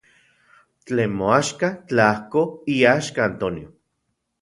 Tlen moaxka, tlajko iaxka Antonio.